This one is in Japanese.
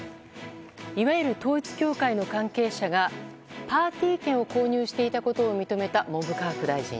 いわゆる統一教会の関係者がパーティー券を購入していたことを認めた文部科学大臣。